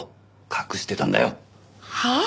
はあ！？